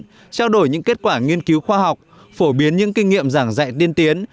trao đổi những kết quả nghiên cứu khoa học phổ biến những kinh nghiệm giảng dạy tiên tiến